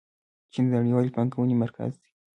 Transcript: چین د نړیوالې پانګونې مرکز دی.